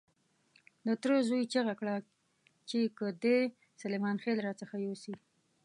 د تره زوی چیغه کړه چې که دې سلیمان خېل را څخه يوسي.